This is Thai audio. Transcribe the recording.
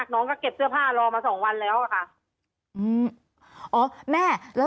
ตอนที่จะไปอยู่โรงเรียนนี้แปลว่าเรียนจบมไหนคะ